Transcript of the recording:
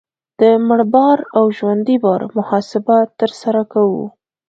د مړ بار او ژوندي بار محاسبه ترسره کوو